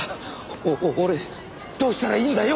お俺どうしたらいいんだよ！？